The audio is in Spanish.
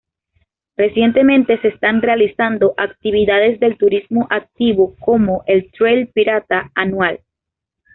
Recientemente se están realizando actividades de turismo activo, como el "Trail Pirata" anual.